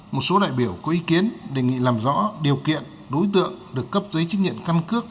một số đại biểu có ý kiến đề nghị làm rõ điều kiện đối tượng được cấp giấy chứng nhận căn cước